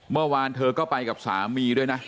เมื่อวานเธอก็ไปกับสามีด้วยนะ